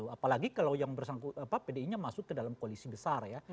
apalagi kalau yang bersangkutan pdi nya masuk ke dalam koalisi besar ya